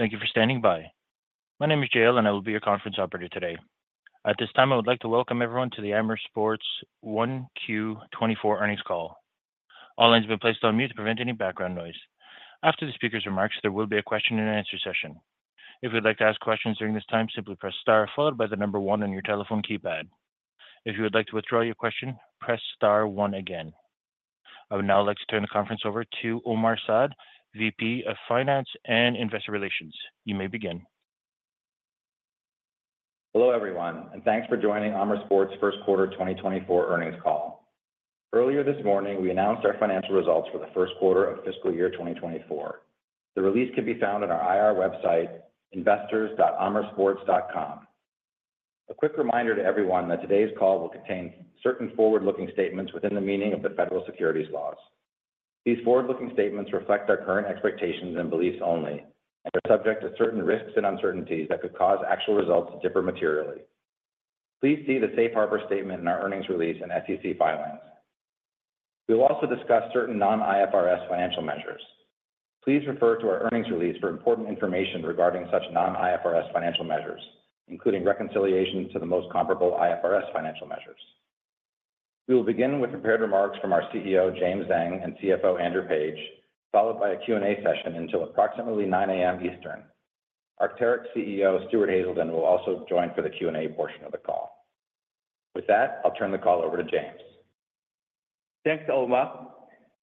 Thank you for standing by. My name is JL, and I will be your conference operator today. At this time, I would like to welcome everyone to the Amer Sports 1Q 2024 Earnings Call. All lines have been placed on mute to prevent any background noise. After the speaker's remarks, there will be a question and answer session. If you'd like to ask questions during this time, simply press star followed by the number one on your telephone keypad. If you would like to withdraw your question, press star one again. I would now like to turn the conference over to Omar Saad, VP of Finance and Investor Relations. You may begin. Hello, everyone, and thanks for joining Amer Sports First Quarter 2024 Earnings Call. Earlier this morning, we announced our financial results for the first quarter of fiscal year 2024. The release can be found on our IR website, investors.amersports.com. A quick reminder to everyone that today's call will contain certain forward-looking statements within the meaning of the federal securities laws. These forward-looking statements reflect our current expectations and beliefs only and are subject to certain risks and uncertainties that could cause actual results to differ materially. Please see the safe harbor statement in our earnings release and SEC filings. We will also discuss certain non-IFRS financial measures. Please refer to our earnings release for important information regarding such non-IFRS financial measures, including reconciliation to the most comparable IFRS financial measures. We will begin with prepared remarks from our CEO, James Zheng, and CFO, Andrew Page, followed by a Q&A session until approximately 9:00 A.M. Eastern. Arc'teryx CEO, Stuart Haselden, will also join for the Q&A portion of the call. With that, I'll turn the call over to James. Thanks, Omar.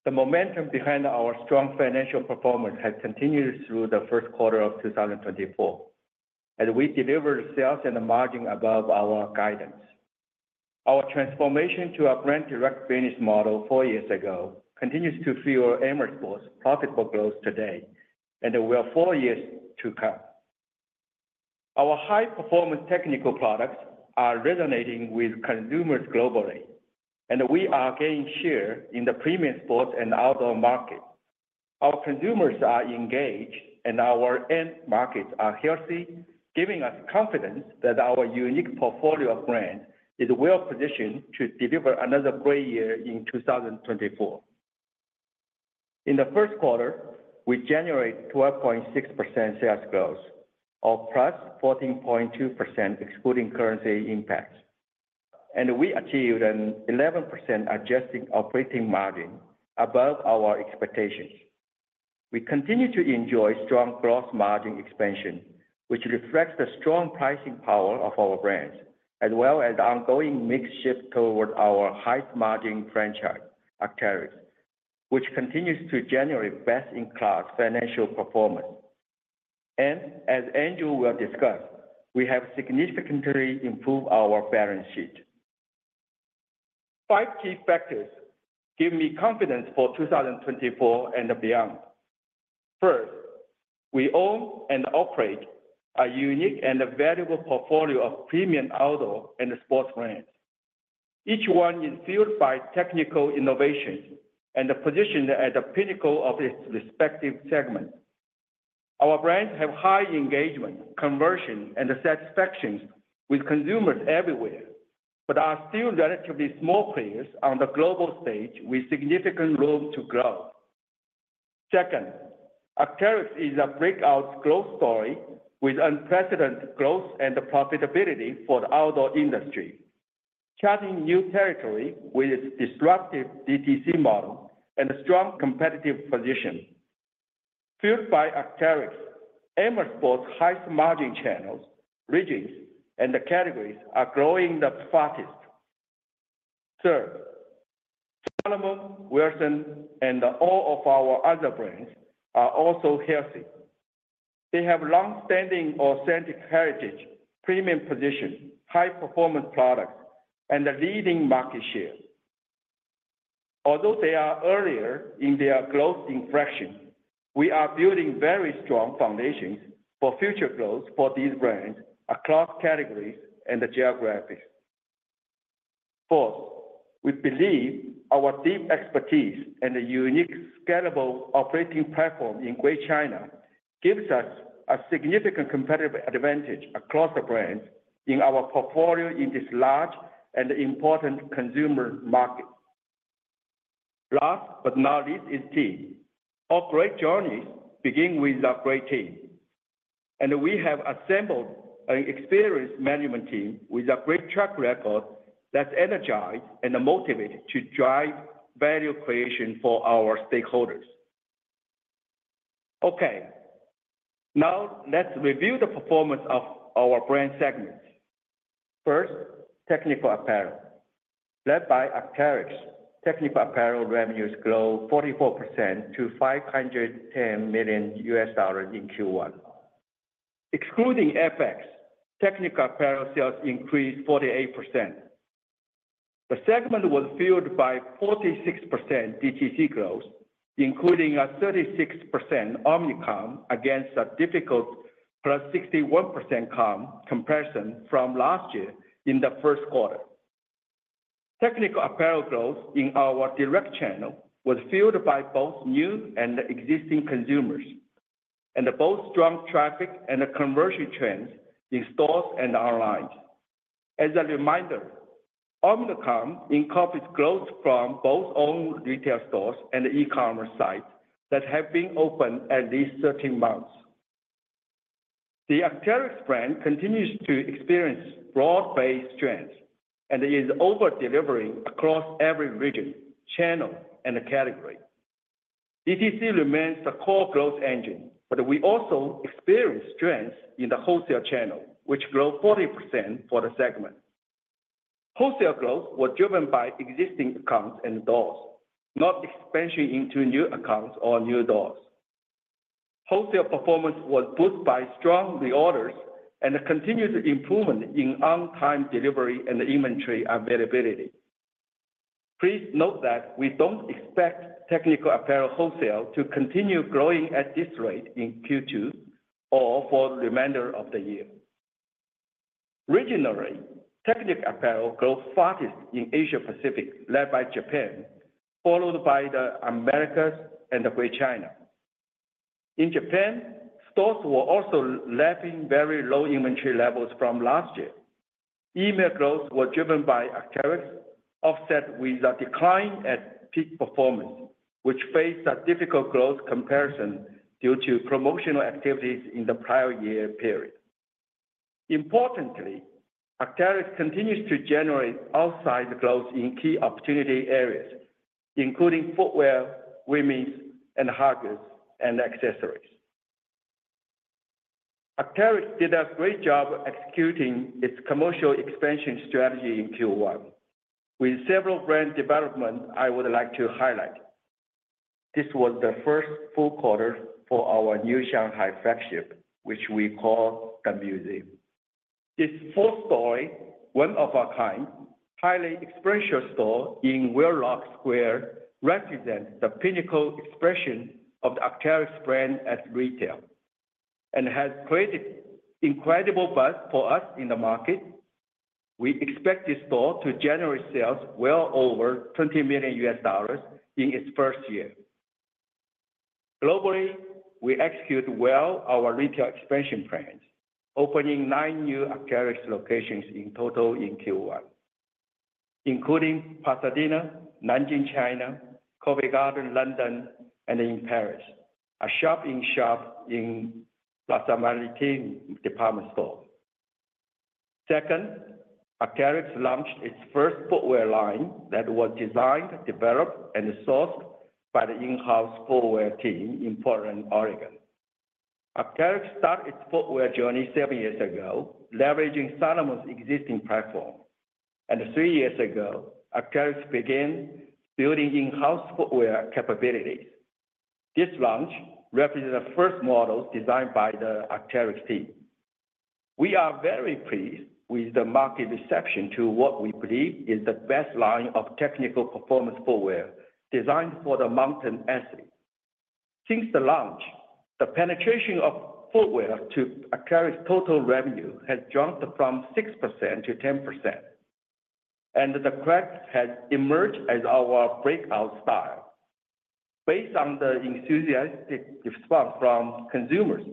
The momentum behind our strong financial performance has continued through the first quarter of 2024 as we delivered sales and margin above our guidance. Our transformation to a brand direct business model four years ago continues to fuel Amer Sports' profitable growth today and well, four years to come. Our high-performance technical products are resonating with consumers globally, and we are gaining share in the premium sports and outdoor market. Our consumers are engaged, and our end markets are healthy, giving us confidence that our unique portfolio of brands is well positioned to deliver another great year in 2024. In the first quarter, we generate 12.6% sales growth or +14.2% excluding currency impacts, and we achieved an 11% adjusted operating margin above our expectations. We continue to enjoy strong gross margin expansion, which reflects the strong pricing power of our brands, as well as ongoing mix shift toward our high margin franchise, Arc'teryx, which continues to generate best-in-class financial performance. And as Andrew will discuss, we have significantly improved our balance sheet. Five key factors give me confidence for 2024 and beyond. First, we own and operate a unique and valuable portfolio of premium outdoor and sports brands. Each one is fueled by technical innovations and positioned at the pinnacle of its respective segment. Our brands have high engagement, conversion, and satisfaction with consumers everywhere, but are still relatively small players on the global stage with significant room to grow. Second, Arc'teryx is a breakout growth story with unprecedented growth and profitability for the outdoor industry, charting new territory with its disruptive DTC model and a strong competitive position. Fueled by Arc'teryx, Amer Sports' highest margin channels, regions, and the categories are growing the fastest. Third, Salomon, Wilson, and all of our other brands are also healthy. They have long-standing, authentic heritage, premium position, high-performance products, and a leading market share. Although they are earlier in their growth inflection, we are building very strong foundations for future growth for these brands across categories and geographies. Fourth, we believe our deep expertise and a unique, scalable operating platform in Greater China gives us a significant competitive advantage across the brands in our portfolio in this large and important consumer market. Last, but not least, is team. All great journeys begin with a great team, and we have assembled an experienced management team with a great track record that's energized and motivated to drive value creation for our stakeholders. Okay, now let's review the performance of our brand segments. First, Technical Apparel. Led by Arc'teryx, Technical Apparel revenues grew 44% to $510 million in Q1. Excluding FX, Technical Apparel sales increased 48%. The segment was fueled by 46% DTC growth, including a 36% omni-comp against a difficult +61% comp comparison from last year in the first quarter. Technical Apparel growth in our direct channel was fueled by both new and existing consumers, and both strong traffic and conversion trends in stores and online... As a reminder, omni-comp incorporates growth from both own retail stores and e-commerce sites that have been open at least 13 months. The Arc'teryx brand continues to experience broad-based trends and is over-delivering across every region, channel, and category. DTC remains the core growth engine, but we also experienced strength in the wholesale channel, which grew 40% for the segment. Wholesale growth was driven by existing accounts and doors, not expansion into new accounts or new doors. Wholesale performance was boosted by strong reorders and a continuous improvement in on-time delivery and inventory availability. Please note that we don't expect Technical Apparel wholesale to continue growing at this rate in Q2 or for the remainder of the year. Regionally, Technical Apparel grows fastest in Asia Pacific, led by Japan, followed by the Americas and the Greater China. In Japan, stores were also lapping very low inventory levels from last year. E-com growth was driven by Arc'teryx, offset with a decline at Peak Performance, which faced a difficult growth comparison due to promotional activities in the prior year period. Importantly, Arc'teryx continues to generate outsized growth in key opportunity areas, including footwear, women's, and backpacks and accessories. Arc'teryx did a great job executing its commercial expansion strategy in Q1. With several brand development, I would like to highlight, this was the first full quarter for our new Shanghai flagship, which we call the Museum. This four-story, one of a kind, highly expressive store in Wheelock Square, represents the pinnacle expression of the Arc'teryx brand at retail and has created incredible buzz for us in the market. We expect this store to generate sales well over $20 million in its first year. Globally, we execute well our retail expansion plans, opening nine new Arc'teryx locations in total in Q1, including Pasadena, Nanjing, China, Covent Garden, London, and in Paris, a shop-in-shop in La Samaritaine department store. Second, Arc'teryx launched its first footwear line that was designed, developed, and sourced by the in-house footwear team in Portland, Oregon. Arc'teryx started its footwear journey seven years ago, leveraging Salomon's existing platform, and three years ago, Arc'teryx began building in-house footwear capabilities. This launch represents the first model designed by the Arc'teryx team. We are very pleased with the market reception to what we believe is the best line of technical performance footwear designed for the mountain athlete. Since the launch, the penetration of footwear to Arc'teryx total revenue has jumped from 6% to 10%, and the Kragg has emerged as our breakout style. Based on the enthusiastic response from consumers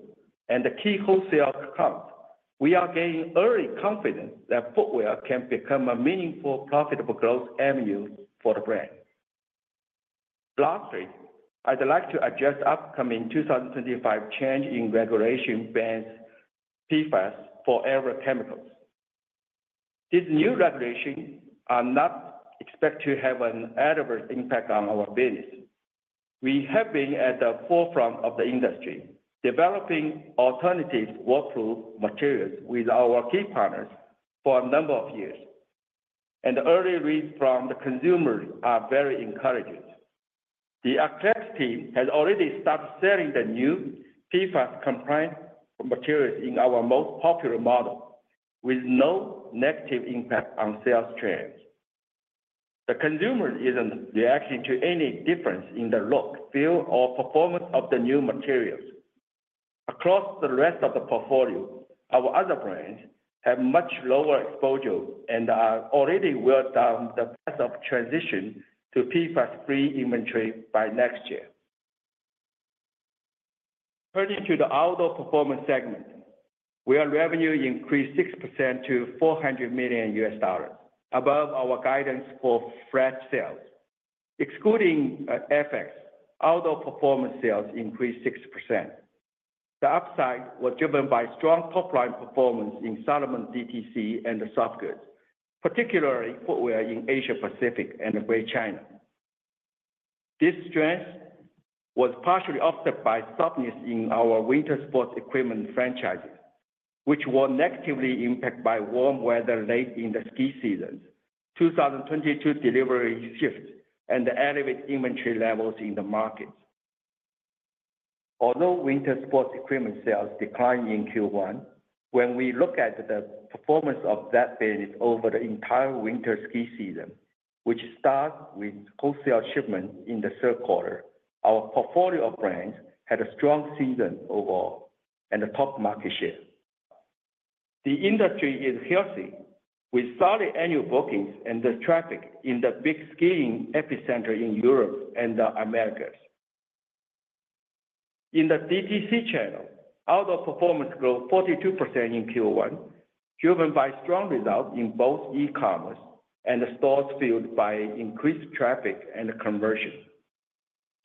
and the key wholesale accounts, we are gaining early confidence that footwear can become a meaningful, profitable growth avenue for the brand. Lastly, I'd like to address upcoming 2025 changes in regulations banning PFAS forever chemicals. These new regulations are not expected to have an adverse impact on our business. We have been at the forefront of the industry, developing alternative waterproof materials with our key partners for a number of years, and the early reads from the consumers are very encouraging. The Arc'teryx team has already started selling the new PFAS-compliant materials in our most popular model with no negative impact on sales trends. The consumer isn't reacting to any difference in the look, feel, or performance of the new materials. Across the rest of the portfolio, our other brands have much lower exposure and are already well down the path of transition to PFAS-free inventory by next year. Turning to the Outdoor Performance segment, where revenue increased 6% to $400 million, above our guidance for fresh sales. Excluding FX, Outdoor Performance sales increased 6%. The upside was driven by strong top-line performance in Salomon DTC and the softgoods, particularly footwear in Asia Pacific and Greater China. This strength was partially offset by softness in our winter sports equipment franchises, which were negatively impacted by warm weather late in the ski seasons, 2022 delivery shifts, and the elevated inventory levels in the markets. Although winter sports equipment sales declined in Q1, when we look at the performance of that business over the entire winter ski season, which starts with wholesale shipment in the third quarter, our portfolio of brands had a strong season overall and a top market share. The industry is healthy, with solid annual bookings and the traffic in the big skiing epicenter in Europe and the Americas. In the DTC channel, Outdoor Performance grew 42% in Q1, driven by strong results in both e-commerce and the stores fueled by increased traffic and conversion.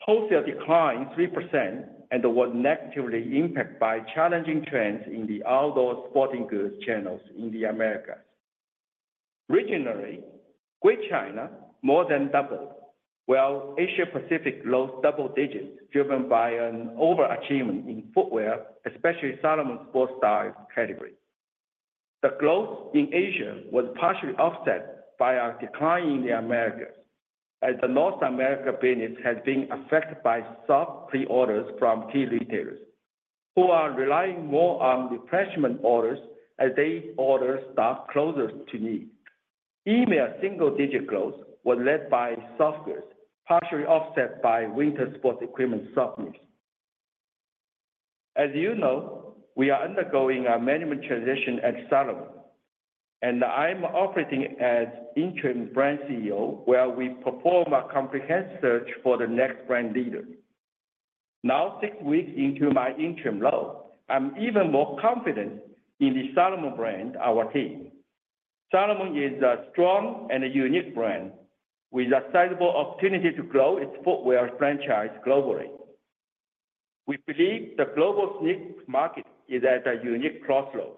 Wholesale declined 3% and was negatively impacted by challenging trends in the outdoor sporting goods channels in the Americas. Regionally, Greater China more than doubled, while Asia Pacific lost double digits, driven by an overachievement in footwear, especially Salomon's Sportstyle category. The growth in Asia was partially offset by a decline in the Americas, as the North America business has been affected by soft pre-orders from key retailers, who are relying more on replenishment orders as they order stock closer to need. EMEA single-digit growth was led by softgoods, partially offset by winter sports equipment softness. As you know, we are undergoing a management transition at Salomon, and I'm operating as interim brand CEO, while we perform a comprehensive search for the next brand leader. Now, six weeks into my interim role, I'm even more confident in the Salomon brand, our team. Salomon is a strong and a unique brand with a sizable opportunity to grow its footwear franchise globally. We believe the global sneaker market is at a unique crossroads.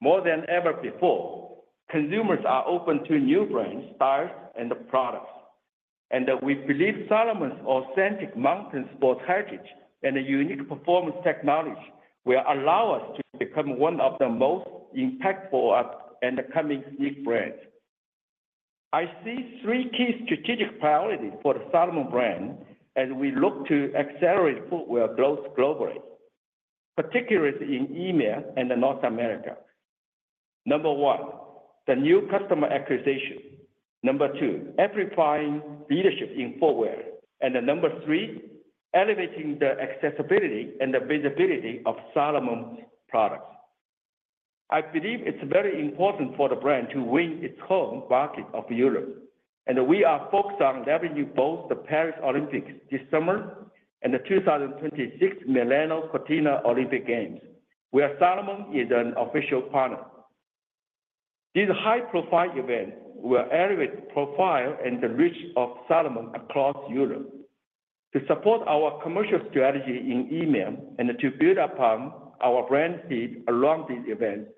More than ever before, consumers are open to new brands, styles, and products, and we believe Salomon's authentic mountain sports heritage and a unique performance technology will allow us to become one of the most impactful up-and-coming sneaker brands. I see three key strategic priorities for the Salomon brand as we look to accelerate footwear growth globally, particularly in EMEA and North America. Number one, the new customer acquisition. Number two, amplifying leadership in footwear. And number three, elevating the accessibility and the visibility of Salomon's products. I believe it's very important for the brand to win its home market of Europe, and we are focused on leveraging both the Paris Olympics this summer and the 2026 Milano Cortina Olympic Games, where Salomon is an official partner. These high-profile events will elevate the profile and the reach of Salomon across Europe. To support our commercial strategy in EMEA and to build upon our brand heat along these events,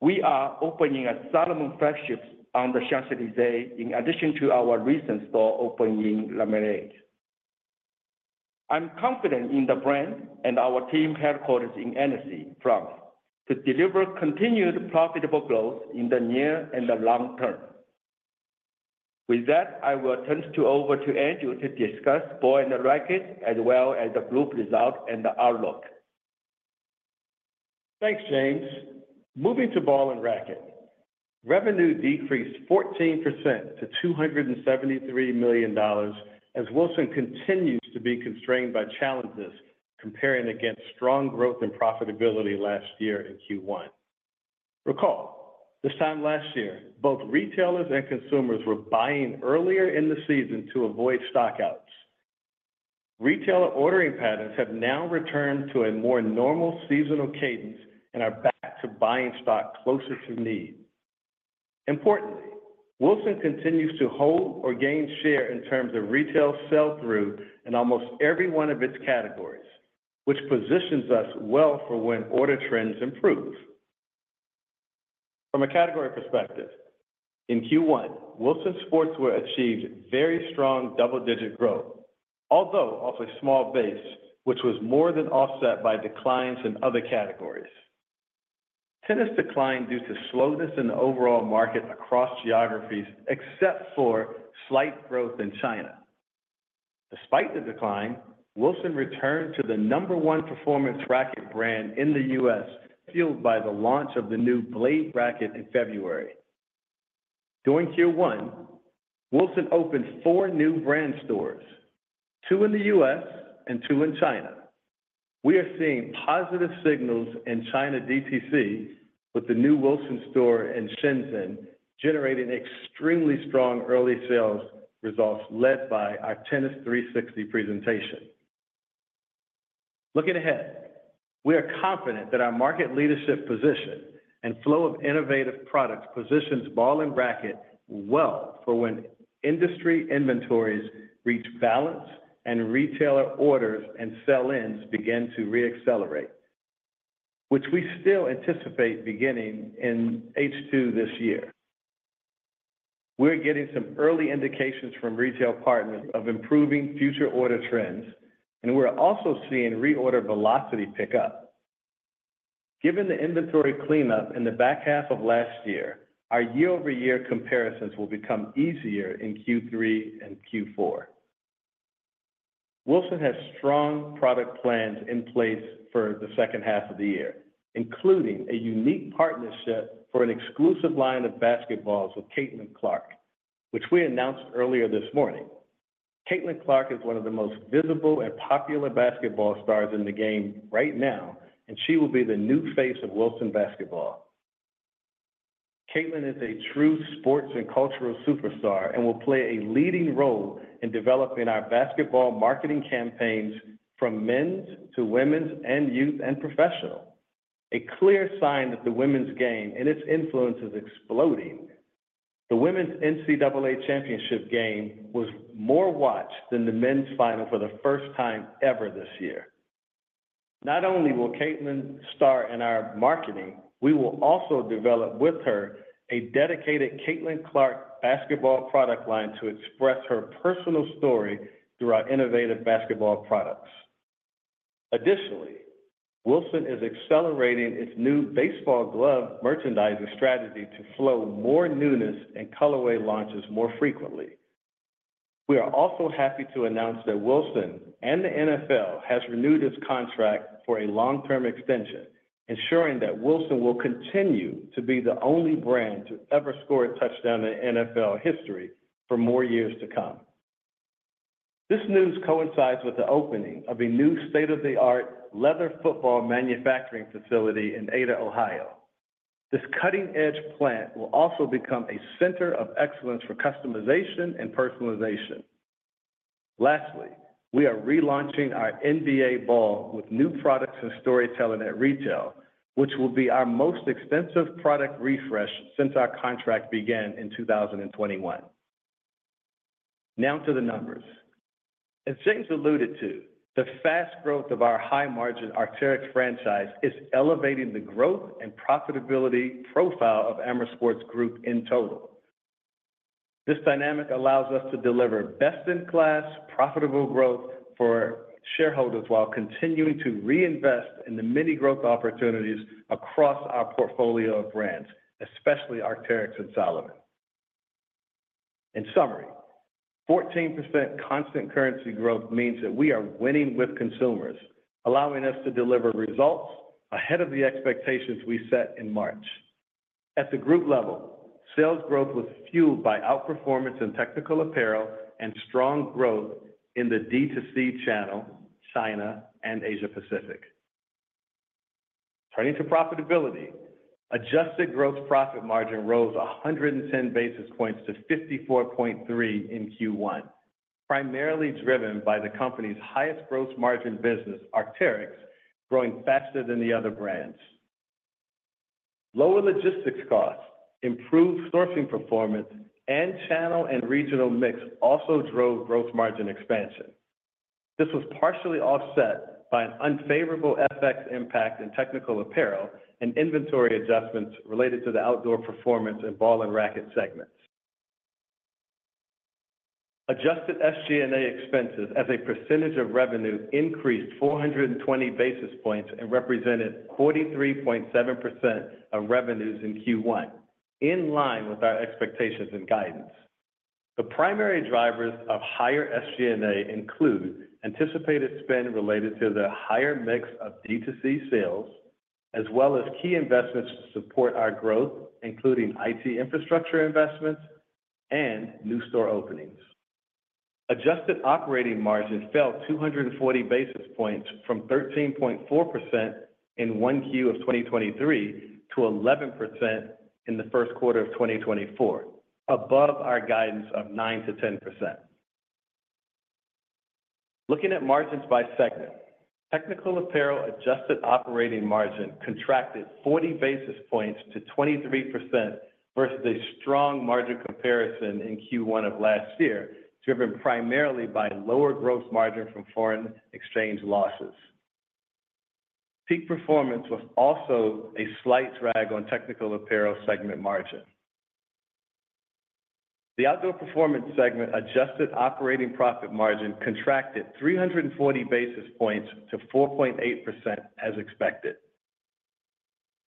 we are opening a Salomon flagship on the Champs-Élysées, in addition to our recent store opening in Le Marais. I'm confident in the brand and our team headquarters in Annecy, France, to deliver continued profitable growth in the near and the long term. With that, I will turn it over to Andrew to discuss Ball & Racquet, as well as the group results and the outlook. Thanks, James. Moving to Ball & Racquet, revenue decreased 14% to $273 million as Wilson continues to be constrained by challenges comparing against strong growth and profitability last year in Q1. Recall, this time last year, both retailers and consumers were buying earlier in the season to avoid stockouts. Retailer ordering patterns have now returned to a more normal seasonal cadence and are back to buying stock closer to need. Importantly, Wilson continues to hold or gain share in terms of retail sell-through in almost every one of its categories, which positions us well for when order trends improve. From a category perspective, in Q1, Wilson Sportswear achieved very strong double-digit growth, although off a small base, which was more than offset by declines in other categories. Tennis declined due to slowness in the overall market across geographies, except for slight growth in China. Despite the decline, Wilson returned to the number one performance racket brand in the U.S., fueled by the launch of the new Blade racquet in February. During Q1, Wilson opened four new brand stores, two in the U.S. and two in China. We are seeing positive signals in China DTC, with the new Wilson store in Shenzhen generating extremely strong early sales results led by our Tennis 360 presentation. Looking ahead, we are confident that our market leadership position and flow of innovative products positions Ball & Racquet well for when industry inventories reach balance and retailer orders and sell-ins begin to re-accelerate, which we still anticipate beginning in H2 this year. We're getting some early indications from retail partners of improving future order trends, and we're also seeing reorder velocity pick up. Given the inventory cleanup in the back half of last year, our year-over-year comparisons will become easier in Q3 and Q4. Wilson has strong product plans in place for the second half of the year, including a unique partnership for an exclusive line of basketballs with Caitlin Clark, which we announced earlier this morning. Caitlin Clark is one of the most visible and popular basketball stars in the game right now, and she will be the new face of Wilson Basketball.... Caitlin is a true sports and cultural superstar and will play a leading role in developing our basketball marketing campaigns from men's to women's and youth and professional. A clear sign that the women's game and its influence is exploding. The women's NCAA championship game was more watched than the men's final for the first time ever this year. Not only will Caitlin star in our marketing, we will also develop with her a dedicated Caitlin Clark basketball product line to express her personal story through our innovative basketball products. Additionally, Wilson is accelerating its new baseball glove merchandising strategy to flow more newness and colorway launches more frequently. We are also happy to announce that Wilson and the NFL has renewed its contract for a long-term extension, ensuring that Wilson will continue to be the only brand to ever score a touchdown in NFL history for more years to come. This news coincides with the opening of a new state-of-the-art leather football manufacturing facility in Ada, Ohio. This cutting-edge plant will also become a center of excellence for customization and personalization. Lastly, we are relaunching our NBA ball with new products and storytelling at retail, which will be our most extensive product refresh since our contract began in 2021. Now to the numbers. As James alluded to, the fast growth of our high-margin Arc'teryx franchise is elevating the growth and profitability profile of Amer Sports Group in total. This dynamic allows us to deliver best-in-class, profitable growth for shareholders while continuing to reinvest in the many growth opportunities across our portfolio of brands, especially Arc'teryx and Salomon. In summary, 14% constant currency growth means that we are winning with consumers, allowing us to deliver results ahead of the expectations we set in March. At the group level, sales growth was fueled by outperformance in Technical Apparel and strong growth in the DTC channel, China, and Asia Pacific. Turning to profitability, adjusted gross profit margin rose 110 basis points to 54.3 in Q1, primarily driven by the company's highest gross margin business, Arc'teryx, growing faster than the other brands. Lower logistics costs, improved sourcing performance, and channel and regional mix also drove gross margin expansion. This was partially offset by an unfavorable FX impact in Technical Apparel and inventory adjustments related to the Outdoor Performance and Ball & Racquet segments. Adjusted SG&A expenses as a percentage of revenue increased 420 basis points and represented 43.7% of revenues in Q1, in line with our expectations and guidance. The primary drivers of higher SG&A include anticipated spend related to the higher mix of D2C sales, as well as key investments to support our growth, including IT infrastructure investments and new store openings. Adjusted operating margins fell 240 basis points from 13.4% in 1Q 2023 to 11% in the first quarter of 2024, above our guidance of 9%-10%. Looking at margins by segment, Technical Apparel adjusted operating margin contracted 40 basis points to 23% versus a strong margin comparison in Q1 of last year, driven primarily by lower gross margin from foreign exchange losses. Peak Performance was also a slight drag on Technical Apparel segment margin. The Outdoor Performance segment adjusted operating profit margin contracted 340 basis points to 4.8% as expected.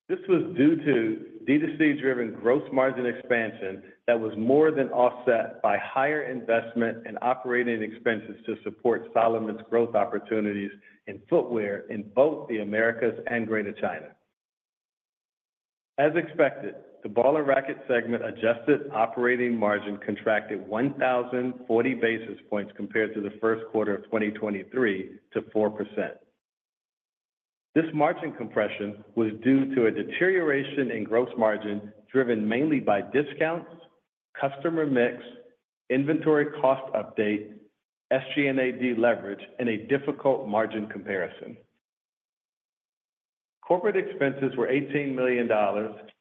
This was due to DTC-driven gross margin expansion that was more than offset by higher investment in operating expenses to support Salomon's growth opportunities in footwear in both the Americas and Greater China. As expected, the Ball & Racquet segment adjusted operating margin contracted 1,040 basis points compared to the first quarter of 2023 to 4%. This margin compression was due to a deterioration in gross margin, driven mainly by discounts, customer mix, inventory cost update, SG&A deleverage, and a difficult margin comparison. Corporate expenses were $18 million,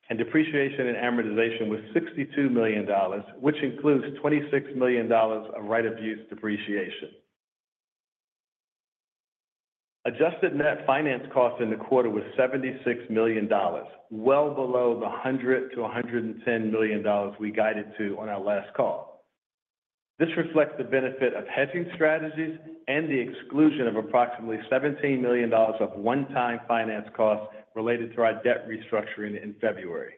and depreciation and amortization was $62 million, which includes $26 million of right-of-use depreciation. Adjusted net finance costs in the quarter was $76 million, well below the $100-$110 million we guided to on our last call. This reflects the benefit of hedging strategies and the exclusion of approximately $17 million of one-time finance costs related to our debt restructuring in February.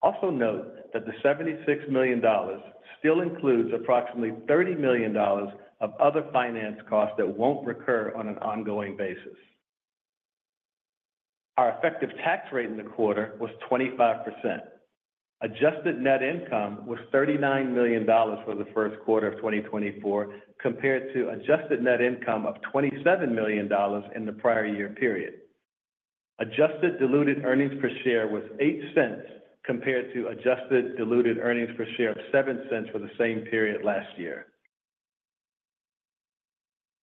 Also note that the $76 million still includes approximately $30 million of other finance costs that won't recur on an ongoing basis. Our effective tax rate in the quarter was 25%. Adjusted net income was $39 million for the first quarter of 2024, compared to adjusted net income of $27 million in the prior year period. Adjusted diluted earnings per share was $0.08, compared to adjusted diluted earnings per share of $0.07 for the same period last year.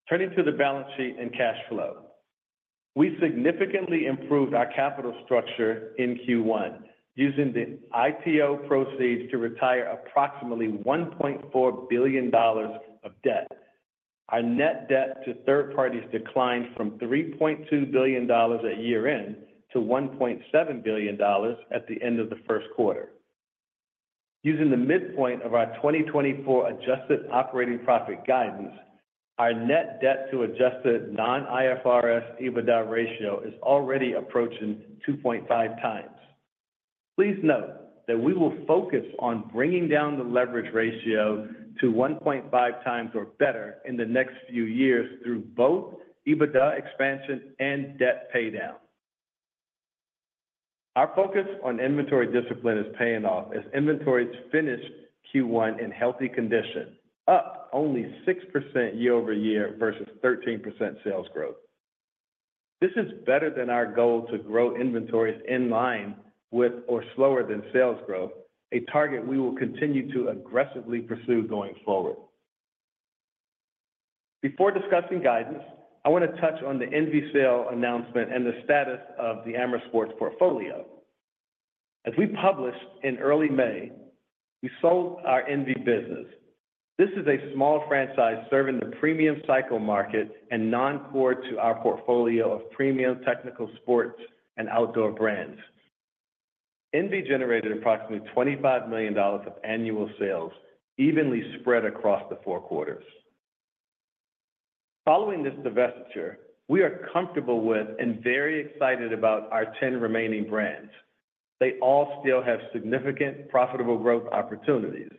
Turning to the balance sheet and cash flow. We significantly improved our capital structure in Q1, using the IPO proceeds to retire approximately $1.4 billion of debt. Our net debt to third parties declined from $3.2 billion at year-end to $1.7 billion at the end of the first quarter. Using the midpoint of our 2024 adjusted operating profit guidance, our net debt to adjusted non-IFRS EBITDA ratio is already approaching 2.5 times. Please note that we will focus on bringing down the leverage ratio to 1.5 times or better in the next few years through both EBITDA expansion and debt paydown. Our focus on inventory discipline is paying off, as inventories finished Q1 in healthy condition, up only 6% year-over-year versus 13% sales growth. This is better than our goal to grow inventories in line with or slower than sales growth, a target we will continue to aggressively pursue going forward. Before discussing guidance, I want to touch on the ENVE sale announcement and the status of the Amer Sports portfolio. As we published in early May, we sold our ENVE business. This is a small franchise serving the premium cycle market and non-core to our portfolio of premium technical sports and outdoor brands. ENVE generated approximately $25 million of annual sales, evenly spread across the four quarters. Following this divestiture, we are comfortable with and very excited about our 10 remaining brands. They all still have significant profitable growth opportunities.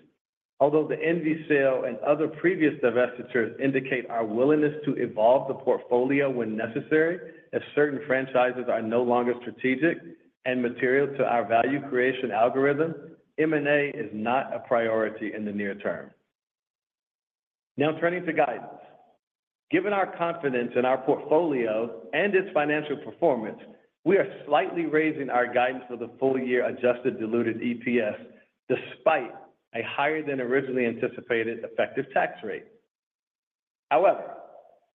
Although the ENVE sale and other previous divestitures indicate our willingness to evolve the portfolio when necessary, as certain franchises are no longer strategic and material to our value creation algorithm, M&A is not a priority in the near term. Now, turning to guidance. Given our confidence in our portfolio and its financial performance, we are slightly raising our guidance for the full year adjusted diluted EPS, despite a higher than originally anticipated effective tax rate. However,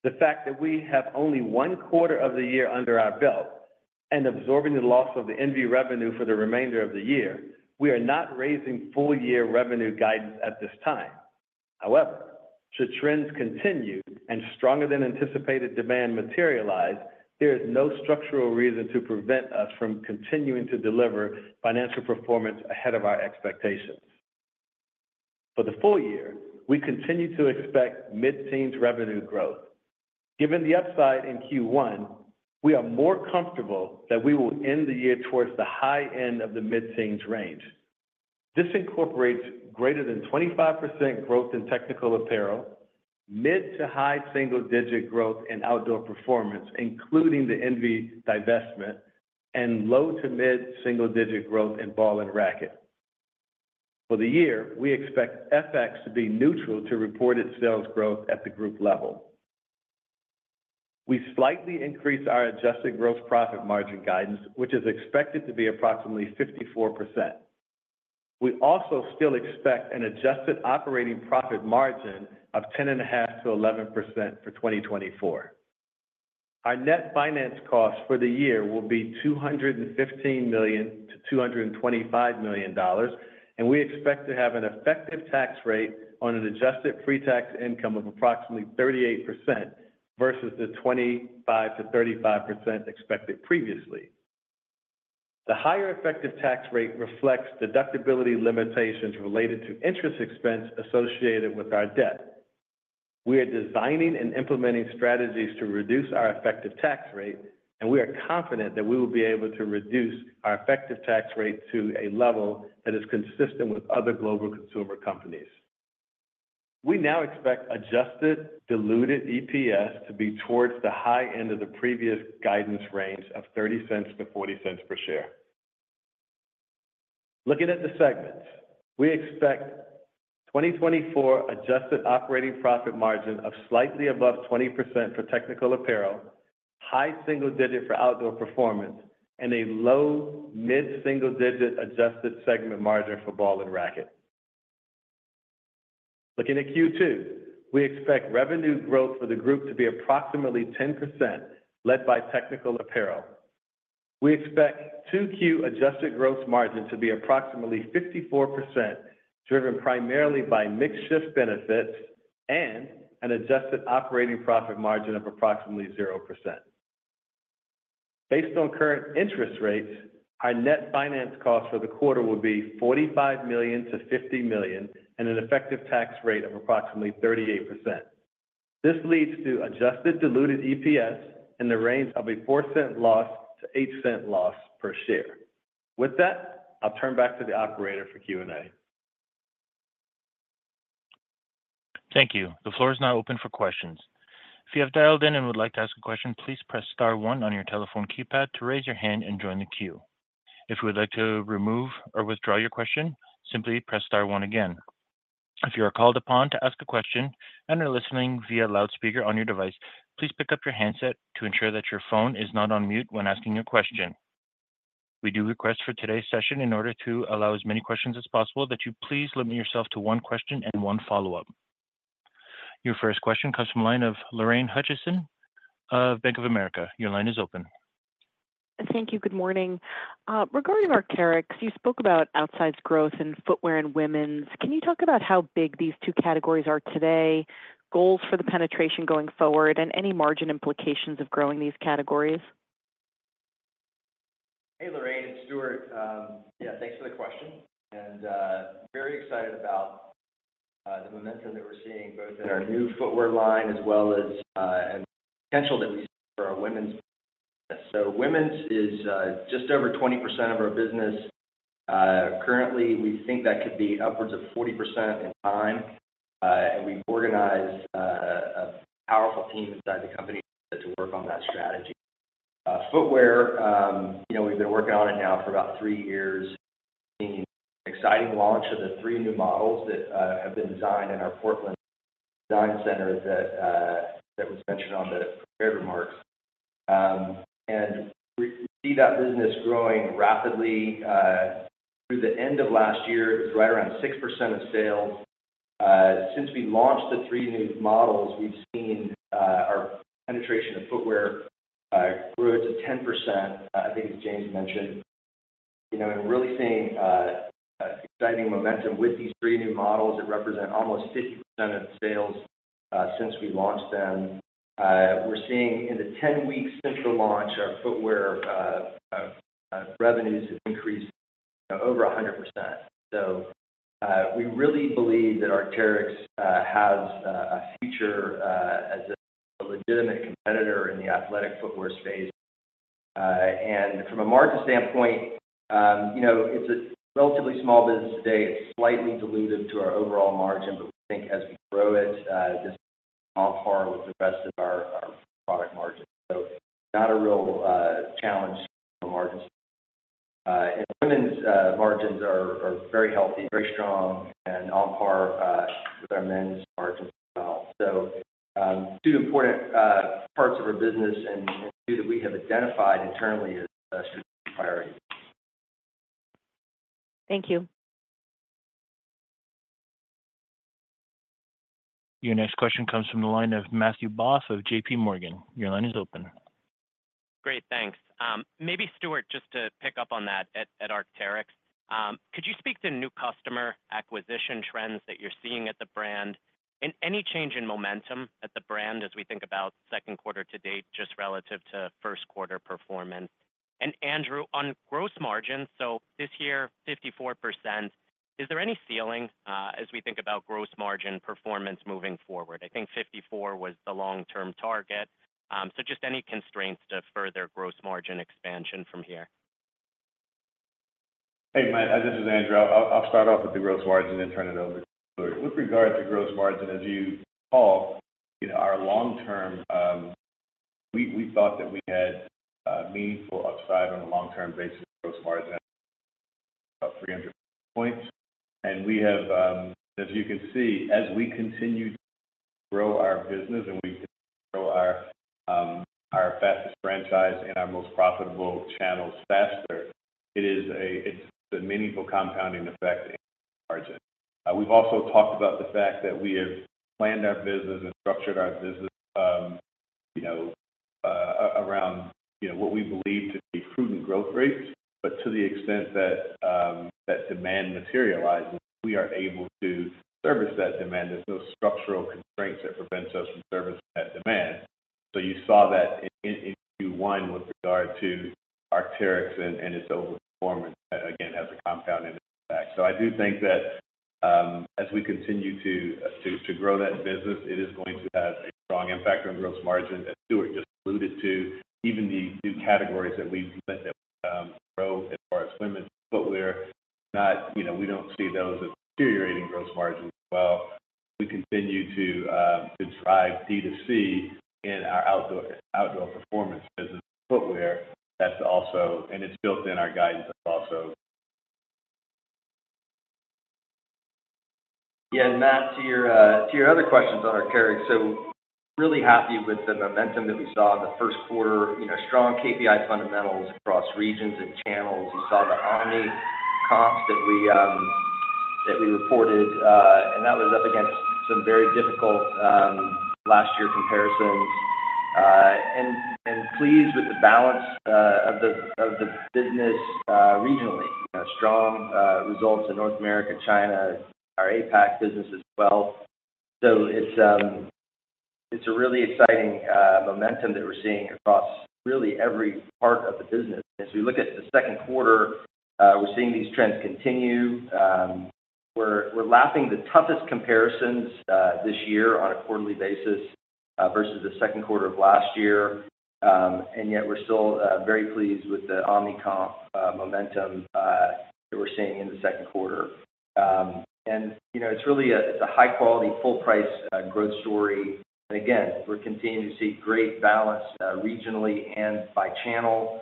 the fact that we have only one quarter of the year under our belt and absorbing the loss of the ENVE revenue for the remainder of the year, we are not raising full-year revenue guidance at this time. However, should trends continue and stronger than anticipated demand materialize, there is no structural reason to prevent us from continuing to deliver financial performance ahead of our expectations. For the full year, we continue to expect mid-teens revenue growth. Given the upside in Q1, we are more comfortable that we will end the year towards the high end of the mid-teens range. This incorporates greater than 25% growth in Technical Apparel, mid- to high-single-digit growth in Outdoor Performance, including the ENVE divestment, and low- to mid-single-digit growth in Ball & Racquet. For the year, we expect FX to be neutral to reported sales growth at the group level. We slightly increased our adjusted gross profit margin guidance, which is expected to be approximately 54%. We also still expect an adjusted operating profit margin of 10.5%-11% for 2024. Our net finance costs for the year will be $215 million-$225 million, and we expect to have an effective tax rate on an adjusted pre-tax income of approximately 38% versus the 25%-35% expected previously. The higher effective tax rate reflects deductibility limitations related to interest expense associated with our debt. We are designing and implementing strategies to reduce our effective tax rate, and we are confident that we will be able to reduce our effective tax rate to a level that is consistent with other global consumer companies. We now expect adjusted diluted EPS to be towards the high end of the previous guidance range of $0.30-$0.40 per share. Looking at the segments, we expect 2024 adjusted operating profit margin of slightly above 20% for Technical Apparel, high single-digit for Outdoor Performance, and a low- to mid-single-digit adjusted segment margin for Ball & Racquet. Looking at Q2, we expect revenue growth for the group to be approximately 10%, led by Technical Apparel. We expect 2Q adjusted gross margin to be approximately 54%, driven primarily by mix shift benefits and an adjusted operating profit margin of approximately 0%. Based on current interest rates, our net finance cost for the quarter will be $45 million-$50 million, and an effective tax rate of approximately 38%. This leads to adjusted diluted EPS in the range of a $0.04 loss to $0.08 loss per share. With that, I'll turn back to the operator for Q&A. Thank you. The floor is now open for questions. If you have dialed in and would like to ask a question, please press star one on your telephone keypad to raise your hand and join the queue. If you would like to remove or withdraw your question, simply press star one again. If you are called upon to ask a question and are listening via loudspeaker on your device, please pick up your handset to ensure that your phone is not on mute when asking your question. We do request for today's session, in order to allow as many questions as possible, that you please limit yourself to one question and one follow-up. Your first question comes from the line of Lorraine Hutchinson of Bank of America. Your line is open. Thank you. Good morning. Regarding Arc'teryx, you spoke about outsized growth in footwear and women's. Can you talk about how big these two categories are today, goals for the penetration going forward, and any margin implications of growing these categories? Hey, Lorraine, it's Stuart. Yeah, thanks for the question, and very excited about the momentum that we're seeing both in our new footwear line as well as and potential that we see for our women's. So women's is just over 20% of our business. Currently, we think that could be upwards of 40% in time, and we've organized a powerful team inside the company to work on that strategy. Footwear, you know, we've been working on it now for about three years. Seeing exciting launch of the three new models that have been designed in our Portland Design Center that that was mentioned on the prepared remarks. And we see that business growing rapidly through the end of last year, right around 6% of sales. Since we launched the three new models, we've seen our penetration of footwear grow to 10%, I think as James mentioned. You know, and really seeing exciting momentum with these three new models that represent almost 50% of sales since we launched them. We're seeing in the 10 weeks since the launch, our footwear revenues increase over 100%. So, we really believe that Arc'teryx has a future as a legitimate competitor in the athletic footwear space. And from a margin standpoint, you know, it's a relatively small business today. It's slightly dilutive to our overall margin, but we think as we grow it, just on par with the rest of our product margin. So not a real challenge for margins. And women's margins are very healthy, very strong, and on par with our men's margins as well. So, two important parts of our business and two that we have identified internally as a priority. Thank you. Your next question comes from the line of Matthew Boss of JPMorgan. Your line is open. Great, thanks. Maybe Stuart, just to pick up on that at Arc'teryx. Could you speak to new customer acquisition trends that you're seeing at the brand? And any change in momentum at the brand as we think about second quarter to date, just relative to first quarter performance? And Andrew, on gross margin, so this year, 54%, is there any ceiling as we think about gross margin performance moving forward? I think 54 was the long-term target. So just any constraints to further gross margin expansion from here. Hey, Matt, this is Andrew. I'll start off with the gross margin and turn it over to Stuart. With regard to gross margin, as you recall, you know, our long-term. We thought that we had a meaningful upside on a long-term basis, gross margin, about 300 points. And we have, as you can see, as we continue to grow our business and we grow our fastest franchise and our most profitable channels faster, it's a meaningful compounding effect in margin. We've also talked about the fact that we have planned our business and structured our business, you know, around, you know, what we believe to be prudent growth rates. But to the extent that, that demand materializes, we are able to service that demand. There's no structural constraints that prevents us from servicing that demand. So you saw that in Q1 with regard to Arc'teryx and its overperformance, again, has a compounding effect. So I do think that, as we continue to grow that business, it is going to have a strong impact on gross margin. As Stuart just alluded to, even the new categories that we've spent that grow as far as women's footwear, not, you know, we don't see those deteriorating gross margin as well. We continue to drive D2C in our Outdoor Performance business and footwear. That's also... and it's built in our guidance also. Yeah, and Matt, to your, to your other questions on Arc'teryx. So really happy with the momentum that we saw in the first quarter. You know, strong KPI fundamentals across regions and channels. We saw the omni comps that we, that we reported, and that was up against some very difficult, last year comparisons. And, and pleased with the balance, of the, of the business, regionally. Strong, results in North America, China, our APAC business as well. So it's, it's a really exciting, momentum that we're seeing across really every part of the business. As we look at the second quarter, we're seeing these trends continue. We're, we're lapping the toughest comparisons, this year on a quarterly basis.... versus the second quarter of last year. And yet we're still very pleased with the omni-comp momentum that we're seeing in the second quarter. And you know, it's really a, it's a high-quality, full-price growth story. And again, we're continuing to see great balance regionally and by channel.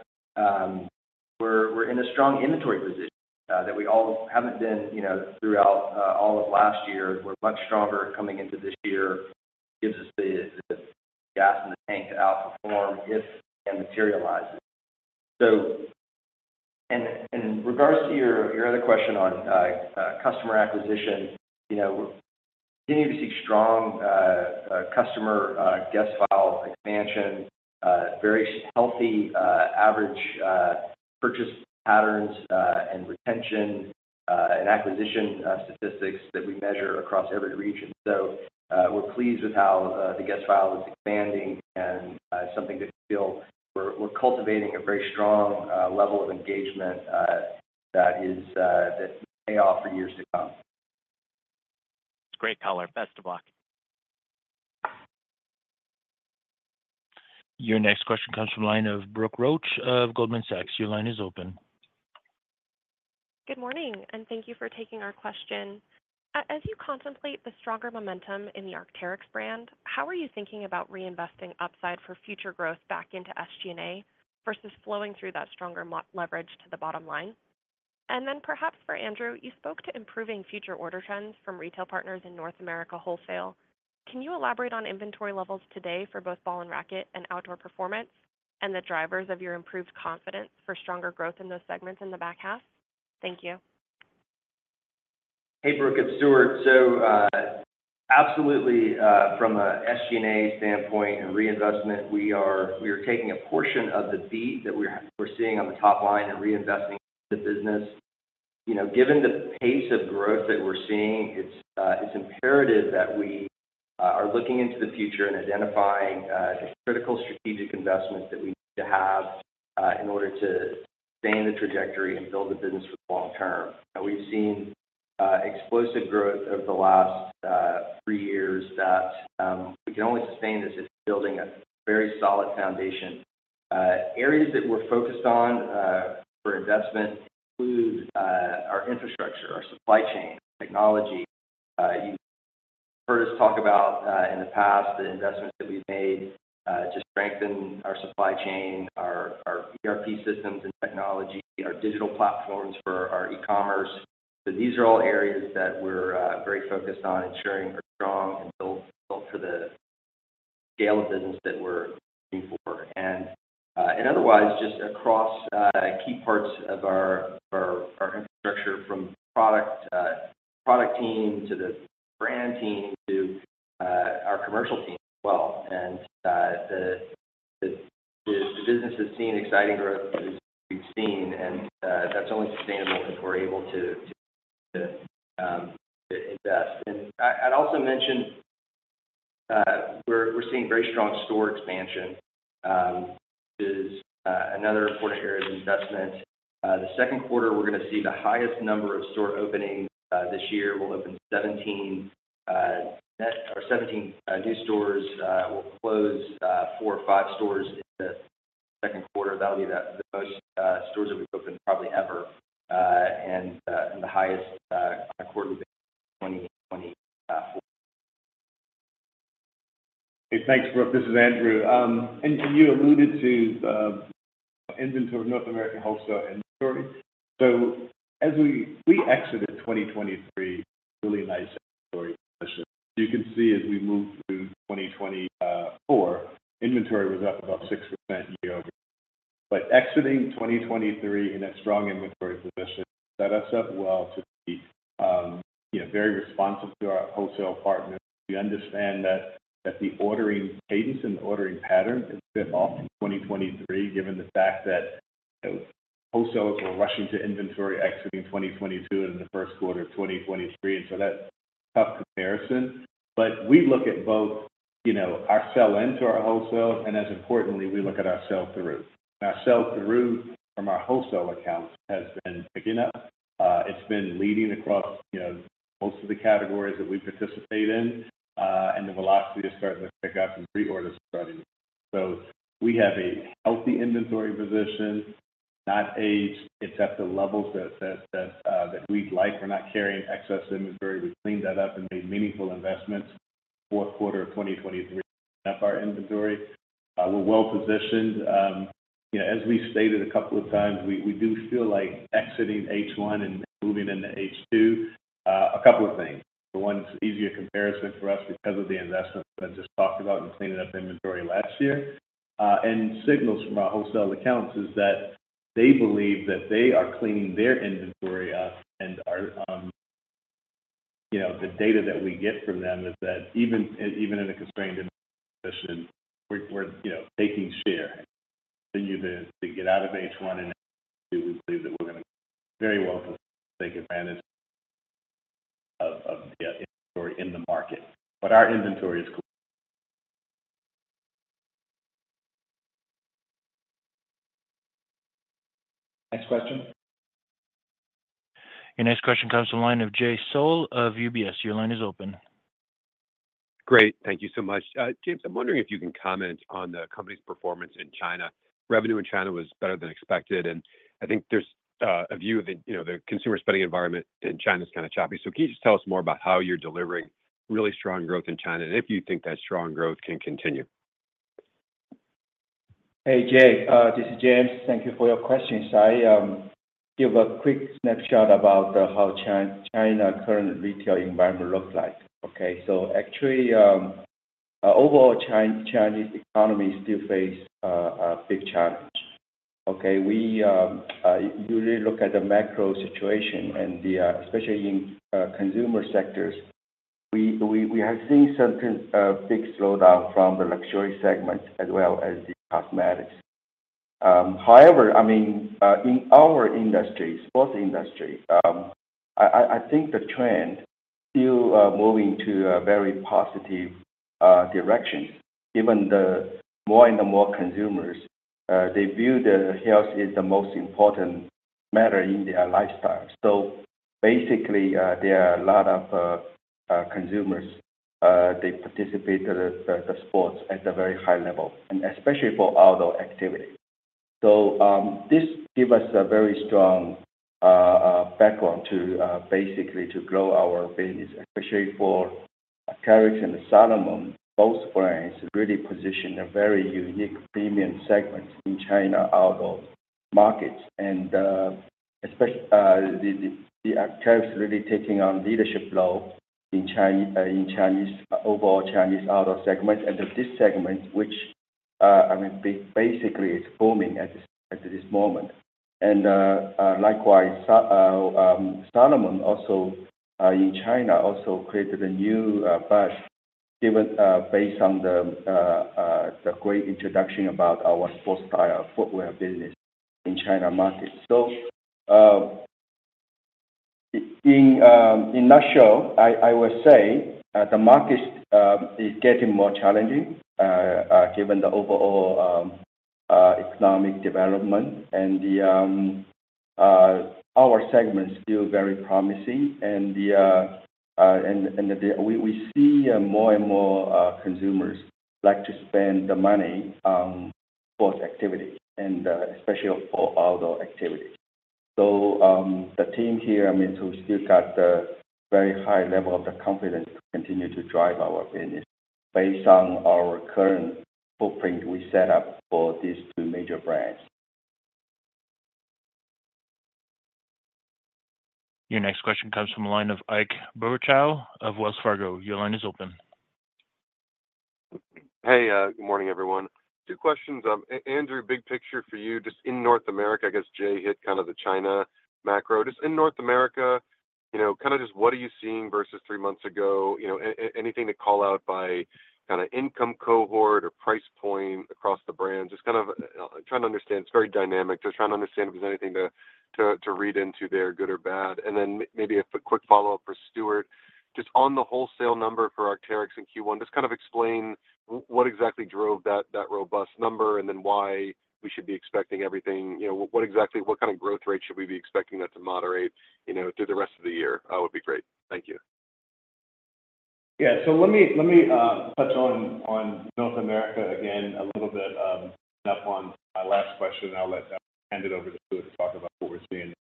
We're in a strong inventory position that we all haven't been, you know, throughout all of last year. We're much stronger coming into this year. Gives us the gas in the tank to outperform if and materializes. So, and in regards to your other question on customer acquisition, you know, we're continuing to see strong customer guest file expansion, very healthy average purchase patterns, and retention and acquisition statistics that we measure across every region. So, we're pleased with how the guest file is expanding and something that we feel we're cultivating a very strong level of engagement that'll pay off for years to come. Great color. Best of luck. Your next question comes from the line of Brooke Roach of Goldman Sachs. Your line is open. Good morning, and thank you for taking our question. As you contemplate the stronger momentum in the Arc'teryx brand, how are you thinking about reinvesting upside for future growth back into SG&A versus flowing through that stronger leverage to the bottom line? And then perhaps for Andrew, you spoke to improving future order trends from retail partners in North America Wholesale. Can you elaborate on inventory levels today for both Ball & Racquet and Outdoor Performance, and the drivers of your improved confidence for stronger growth in those segments in the back half? Thank you. Hey, Brooke, it's Stuart. So, absolutely, from a SG&A standpoint and reinvestment, we are taking a portion of the beat that we're seeing on the top line and reinvesting in the business. You know, given the pace of growth that we're seeing, it's imperative that we are looking into the future and identifying the critical strategic investments that we need to have in order to stay in the trajectory and build the business for the long term. Now, we've seen explosive growth over the last three years that we can only sustain this if building a very solid foundation. Areas that we're focused on for investment include our infrastructure, our supply chain, technology. You've heard us talk about, in the past, the investments that we've made to strengthen our supply chain, our ERP systems and technology, our digital platforms for our e-commerce. So these are all areas that we're very focused on ensuring are strong and built for the scale of business that we're looking for. And otherwise, just across key parts of our infrastructure from product team to the brand team to our commercial team as well. And the business has seen exciting growth as we've seen, and that's only sustainable if we're able to to invest. And I'd also mention, we're seeing very strong store expansion is another important area of investment. The second quarter, we're gonna see the highest number of store openings this year. We'll open 17 net or 17 new stores. We'll close four or five stores in the second quarter. That'll be the most stores that we've opened probably ever, and the highest quarterly base 2024. Hey, thanks, Brooke. This is Andrew. And you alluded to the inventory of North American wholesale inventory. So as we exited 2023, really nice inventory position. You can see as we move through 2024, inventory was up about 6% year-over-year. But exiting 2023 in a strong inventory position set us up well to be, you know, very responsive to our wholesale partners. We understand that the ordering cadence and the ordering patterns is a bit off in 2023, given the fact that wholesalers were rushing to inventory exiting 2022 in the first quarter of 2023. And so that's a tough comparison. But we look at both, you know, our sell-in to our wholesale, and as importantly, we look at our sell-through. Our sell-through from our wholesale accounts has been picking up. It's been leading across, you know, most of the categories that we participate in, and the velocity to start to pick up and reorder starting. So we have a healthy inventory position, not aged. It's at the levels that we'd like. We're not carrying excess inventory. We cleaned that up and made meaningful investments, fourth quarter of 2023, up our inventory. We're well-positioned. You know, as we stated a couple of times, we do feel like exiting H1 and moving into H2, a couple of things. For one, it's easier comparison for us because of the investments I just talked about in cleaning up inventory last year. And signals from our wholesale accounts is that they believe that they are cleaning their inventory up and are... You know, the data that we get from them is that even in a constrained inventory position, we're you know, taking share. Continue to get out of H1 and H2, we believe that we're gonna very well take advantage of the inventory in the market. But our inventory is clear. Next question? Your next question comes from the line of Jay Sole of UBS. Your line is open. Great. Thank you so much. James, I'm wondering if you can comment on the company's performance in China. Revenue in China was better than expected, and I think there's a view that, you know, the consumer spending environment in China is kind of choppy. Can you just tell us more about how you're delivering really strong growth in China, and if you think that strong growth can continue? Hey, Jay, this is James. Thank you for your question. So I give a quick snapshot about how China current retail environment looks like, okay? So actually, overall, Chinese economy still face a big challenge, okay? We usually look at the macro situation and especially in consumer sectors. We have seen certain big slowdown from the luxury segment as well as the cosmetics. However, I mean, in our industry, sports industry, I think the trend still moving to a very positive direction, given the more and more consumers they view the health as the most important matter in their lifestyle. So basically, there are a lot of consumers, they participate the sports at a very high level, and especially for outdoor activity. So, this give us a very strong background to basically to grow our business, especially for Arc'teryx and Salomon. Both brands really position a very unique premium segment in China outdoor markets. And, especially, the Arc'teryx really taking on leadership role in Chinese, overall Chinese outdoor segment, and this segment, I mean, basically is booming at this moment. And, likewise, Salomon also, in China, also created a new buzz, given, based on the great introduction about our Sportstyle footwear business in China market. So, in a nutshell, I would say the market is getting more challenging given the overall economic development and our segment is still very promising. And we see more and more consumers like to spend the money on sports activity and especially for outdoor activities. So, the team here, I mean, to still got the very high level of the confidence to continue to drive our business based on our current footprint we set up for these two major brands. Your next question comes from the line of Ike Boruchow of Wells Fargo. Your line is open. Hey, good morning, everyone. Two questions. Andrew, big picture for you, just in North America, I guess Jay hit kind of the China macro. Just in North America, you know, kind of just what are you seeing versus three months ago? You know, anything to call out by kind of income cohort or price point across the brand? Just kind of trying to understand. It's very dynamic. Just trying to understand if there's anything to read into there, good or bad. And then maybe a quick follow-up for Stuart. Just on the wholesale number for Arc'teryx in Q1, just kind of explain what exactly drove that robust number and then why we should be expecting everything. You know, what kind of growth rate should we be expecting that to moderate, you know, through the rest of the year? Would be great. Thank you. Yeah. So let me touch on North America again a little bit, up on our last question, and I'll hand it over to Stuart to talk about what we're seeing.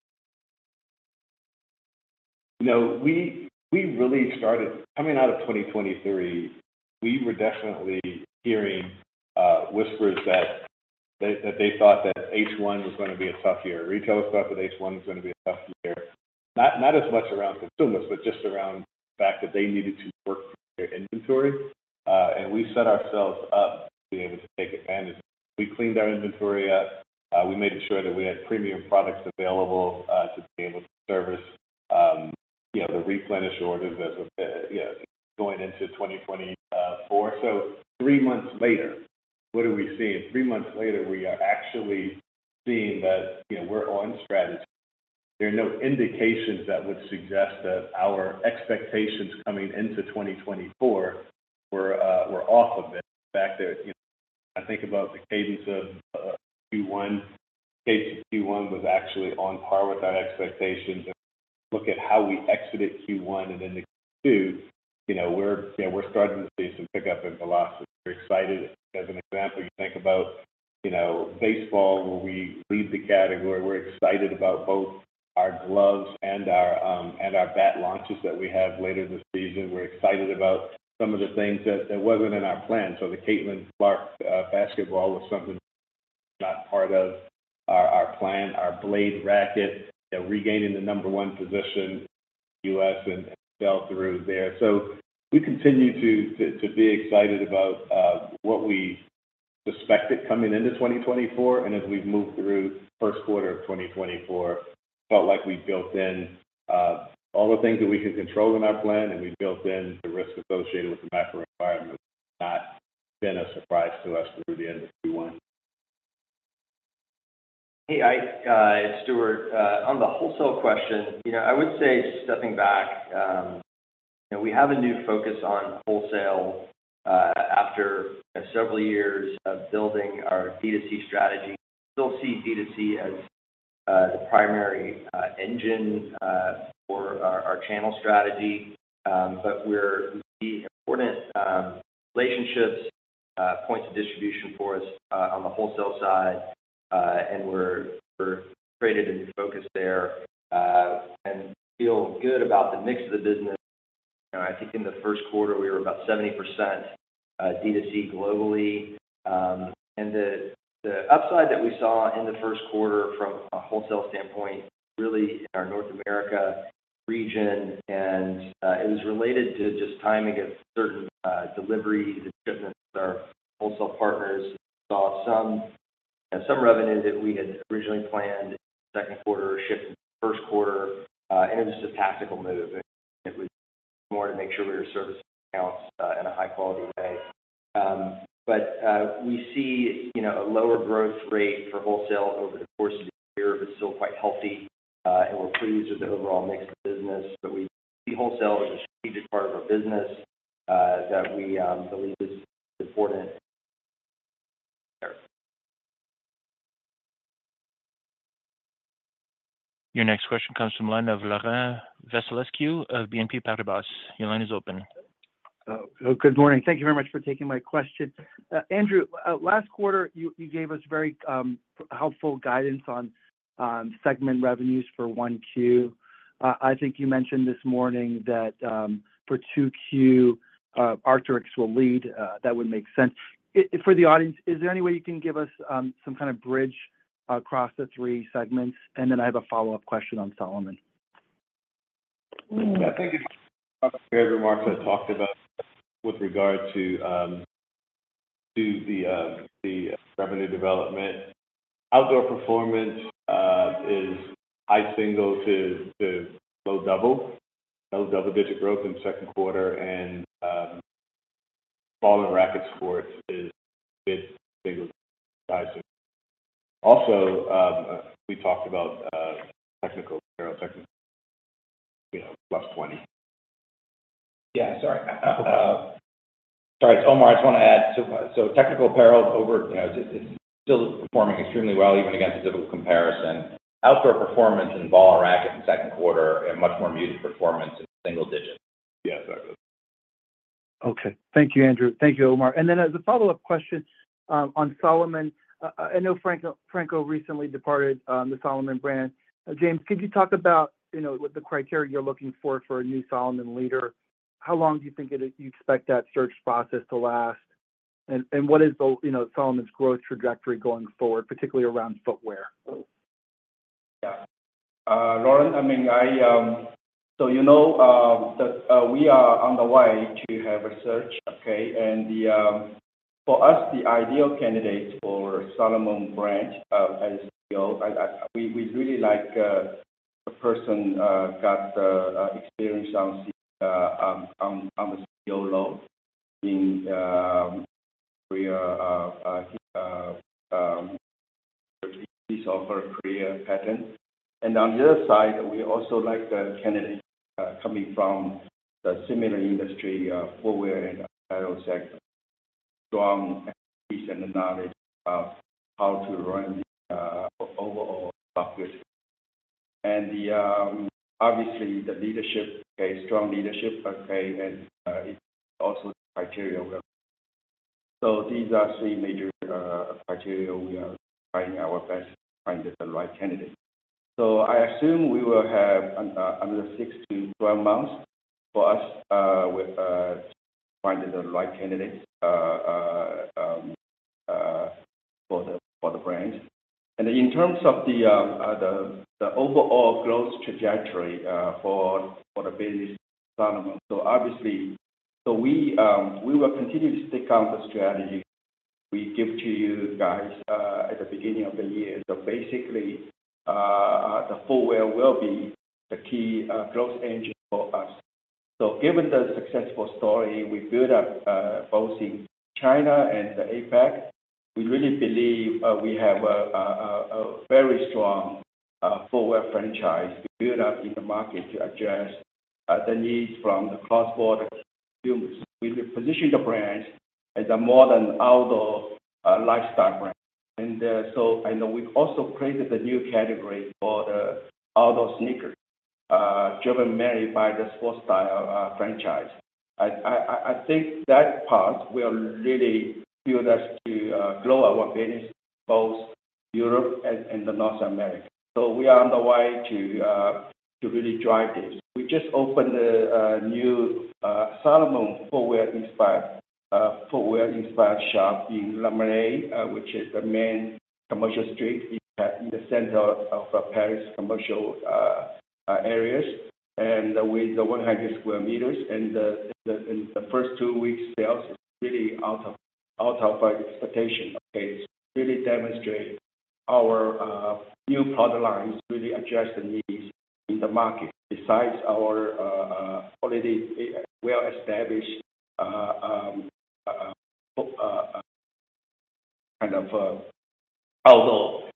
You know, we really started. Coming out of 2023, we were definitely hearing whispers that they thought that H1 was gonna be a tough year. Retailers thought that H1 was gonna be a tough year, not as much around consumers, but just around the fact that they needed to work their inventory. And we set ourselves up to be able to take advantage. We cleaned our inventory up. We made sure that we had premium products available to be able to service, you know, the replenish orders as, you know, going into 2024. So three months later, what are we seeing? Three months later, we are actually seeing that, you know, we're on strategy. There are no indications that would suggest that our expectations coming into 2024 were off a bit. In fact, there, you know, I think about the cadence of Q1. Q1 was actually on par with our expectations. If we look at how we exited Q1 and then Q2, you know, we're starting to see some pickup in velocity. We're excited. As an example, you think about, you know, baseball, where we lead the category. We're excited about both our gloves and our bat launches that we have later this season. We're excited about some of the things that wasn't in our plan. The Caitlin Clark basketball was something not part of our plan. Our Blade racket regaining the number one position, U.S. and sell through there. We continue to be excited about what we suspected coming into 2024. As we've moved through the first quarter of 2024, felt like we built in all the things that we can control in our plan, and we built in the risk associated with the macro environment. Not been a surprise to us through the end of Q1. Hey, Ike, Stuart, on the wholesale question, you know, I would say, just stepping back, we have a new focus on wholesale after several years of building our D2C strategy. We still see D2C as the primary engine for our channel strategy. But we see important relationships, points of distribution for us on the wholesale side, and we've created a new focus there and feel good about the mix of the business. I think in the first quarter, we were about 70% D2C globally. And the upside that we saw in the first quarter from a wholesale standpoint, really in our North America region, and it was related to just timing of certain deliveries and shipments. Our wholesale partners saw some revenue that we had originally planned in second quarter shift into first quarter, and it was just a tactical move, and it was more to make sure we were servicing accounts in a high-quality way. But we see, you know, a lower growth rate for wholesale over the course of the year, but still quite healthy, and we're pleased with the overall mix of business. But we see wholesale as a strategic part of our business that we believe is important. Your next question comes from line of Laurent Vasilescu of BNP Paribas. Your line is open. Good morning. Thank you very much for taking my question. Andrew, last quarter, you gave us very helpful guidance on segment revenues for 1Q. I think you mentioned this morning that for 2Q, Arc'teryx will lead, that would make sense. For the audience, is there any way you can give us some kind of bridge across the three segments? And then I have a follow-up question on Salomon. I think it's prepared remarks I talked about with regard to the revenue development. Outdoor Performance is high single to low double. Low double-digit growth in the second quarter, and Ball & Racquet Sports is mid-single digit. Also, we talked about technical, you know, +20. Sorry its Omar, I just want to add. So Technical Apparel over, you know, it's still performing extremely well, even against the difficult comparison. Outdoor Performance in Ball & Racquet in the second quarter and much more muted performance in single digits. Yeah, exactly. Okay. Thank you, Andrew. Thank you, Omar. Then as a follow-up question, on Salomon. I know Franco, Franco recently departed the Salomon brand. James, could you talk about, you know, what the criteria you're looking for, for a new Salomon leader? How long do you think you expect that search process to last? And what is the, you know, Salomon's growth trajectory going forward, particularly around footwear? Yeah. Laurent, I mean, I... So you know that we are on the way to have a search, okay? And for us, the ideal candidate for Salomon brand, as you know, we really like a person got experience on the CEO role. In, we are piece of our career pattern. And on the other side, we also like the candidate coming from a similar industry, footwear and apparel sector. Strong piece and the knowledge of how to run overall business. And obviously, the leadership, a strong leadership, okay, and it's also criteria well. So these are three major criteria we are trying our best to find the right candidate. So I assume we will have another six to 12 months for us with finding the right candidate for the brand. And in terms of the overall growth trajectory for the business development. So obviously, we will continue to stick on the strategy we give to you guys at the beginning of the year. So basically, the footwear will be the key growth engine for us. So given the successful story we build up both in China and the APAC, we really believe we have a very strong footwear franchise to build up in the market to address the needs from the cross-border consumers. We reposition the brand as a modern outdoor lifestyle brand. We've also created a new category for the outdoor sneakers, driven mainly by the Sportstyle franchise. I think that part will really build us to grow our business, both Europe and the North America. So we are on the way to really drive this. We just opened a new Salomon footwear-inspired shop in Le Marais, which is the main commercial street in the center of Paris commercial areas, and with 100 square meters. And the first two weeks, sales is really out of our expectation. Okay, it's really demonstrate our new product lines really address the needs in the market, besides our already well-established.... kind of, outdoor,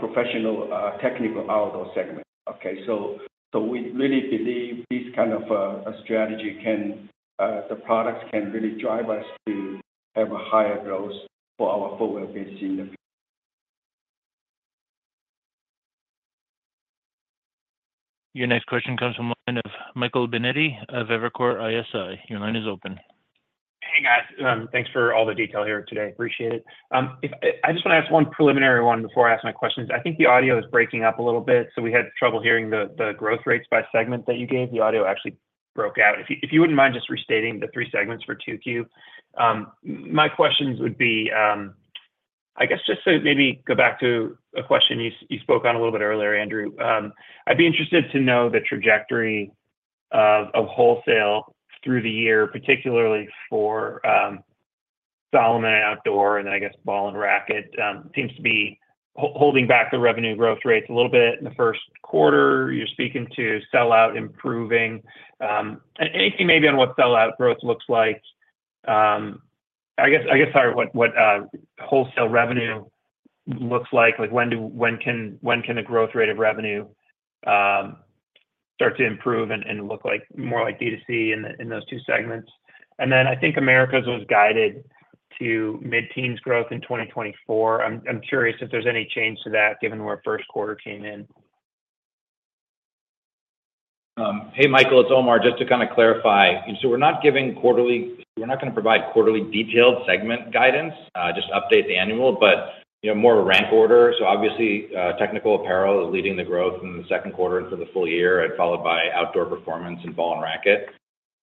professional, technical outdoor segment. Okay, so, so we really believe this kind of, strategy can, the products can really drive us to have a higher growth for our footwear business in the- Your next question comes from the line of Michael Binetti of Evercore ISI. Your line is open. Hey, guys. Thanks for all the detail here today. Appreciate it. If I just wanna ask one preliminary one before I ask my questions. I think the audio is breaking up a little bit, so we had trouble hearing the growth rates by segment that you gave. The audio actually broke out. If you wouldn't mind just restating the three segments for 2Q. My questions would be, I guess just to maybe go back to a question you spoke on a little bit earlier, Andrew. I'd be interested to know the trajectory of wholesale through the year, particularly for Salomon Outdoor, and then I guess, Ball & Racquet. Seems to be holding back the revenue growth rates a little bit in the first quarter. You're speaking to sell-out, improving. Anything maybe on what sell-out growth looks like? I guess, sorry, what wholesale revenue looks like? Like, when can the growth rate of revenue start to improve and look like more like D2C in those two segments? And then I think Americas was guided to mid-teens growth in 2024. I'm curious if there's any change to that, given where first quarter came in. Hey, Michael, it's Omar. Just to kinda clarify, so we're not giving quarterly-- we're not gonna provide quarterly detailed segment guidance, just update the annual, but, you know, more rank order. So obviously, Technical Apparel is leading the growth in the second quarter and for the full year, and followed by Outdoor Performance and Ball & Racquet.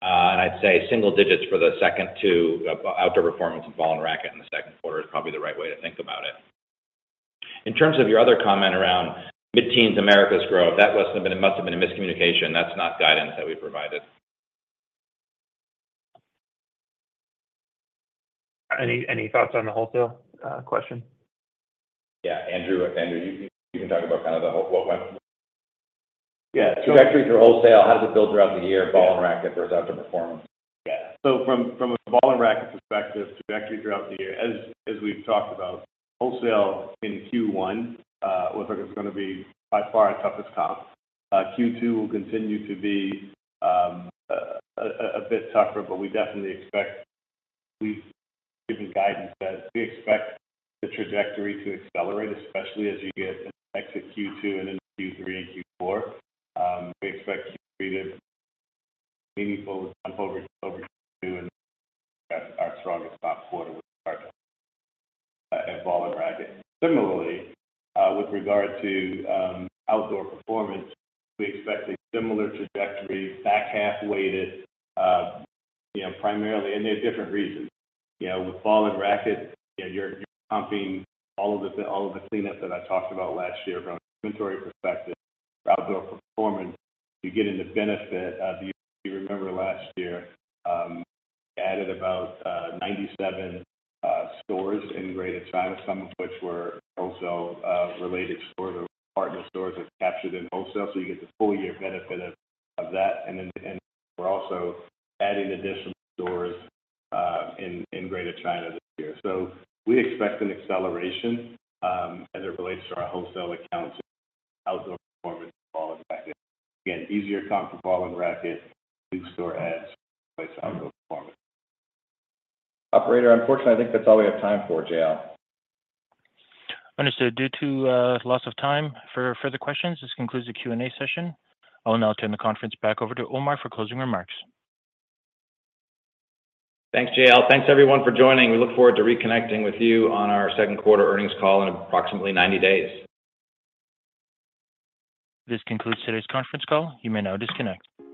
And I'd say single digits for the second two, Outdoor Performance and Ball & Racquet in the second quarter is probably the right way to think about it. In terms of your other comment around mid-teens Americas growth, that must have been, must have been a miscommunication. That's not guidance that we provided. Any, any thoughts on the wholesale question? Yeah. Andrew, Andrew, you can, you can talk about kind of the whole—what went... Yeah. Trajectory through wholesale, how does it build throughout the year, Ball & Racquet versus Outdoor Performance? Yeah. So from a Ball & Racquet perspective, trajectory throughout the year, as we've talked about, wholesale in Q1 was gonna be by far our toughest comp. Q2 will continue to be a bit tougher, but we definitely expect, we've given guidance that we expect the trajectory to accelerate, especially as you get into Q2 and into Q3 and Q4. We expect Q3 to meaningful jump over Q2, and that's our strongest comp quarter with regard to Ball & Racquet. Similarly, with regard to Outdoor Performance, we expect a similar trajectory, back half-weighted, you know, primarily, and there are different reasons. You know, with Ball & Racquet, you're pumping all of the cleanup that I talked about last year from an inventory perspective. Outdoor Performance, you're getting the benefit of, you remember last year, added about 97 stores in Greater China, some of which were also related stores or partner stores have captured in wholesale. So you get the full year benefit of that, and then, and we're also adding additional stores in Greater China this year. So we expect an acceleration as it relates to our wholesale accounts, Outdoor Performance, Ball & Racquet. Again, easier comp for Ball & Racquet, new store adds Outdoor Performance. Operator, unfortunately, I think that's all we have time for, JL. Understood. Due to loss of time for further questions, this concludes the Q&A session. I'll now turn the conference back over to Omar for closing remarks. Thanks, JL. Thanks, everyone, for joining. We look forward to reconnecting with you on our second quarter earnings call in approximately 90 days. This concludes today's conference call. You may now disconnect.